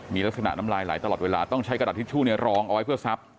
มีลักษณะน้ำลายไหลตลอดเวลาต้องใช้กระดาษทิชชู่รองเอาไว้เพื่อซับ